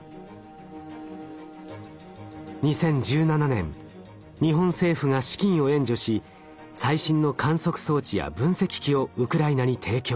２０１７年日本政府が資金を援助し最新の観測装置や分析器をウクライナに提供。